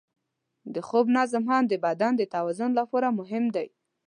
د خوب نظم هم د بدن د توازن لپاره مهم دی.